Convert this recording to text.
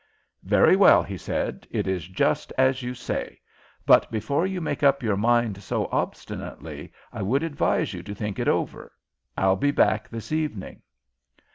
"Very well," he said. "It is just as you say. But before you make up your mind so obstinately I would advise you to think it over. I'll be back this evening."